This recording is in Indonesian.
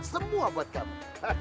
semua buat kamu